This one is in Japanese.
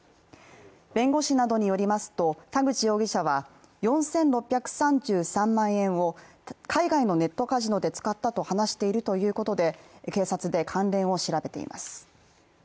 弁護士などによりますと、田口容疑者は４６３３万円を海外のネットカジノで使ったと話しているということで警察で関連を調べています。